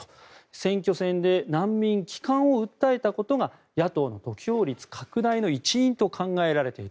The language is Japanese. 選挙戦で難民帰還を訴えたことが野党の得票率拡大の一因と考えられている。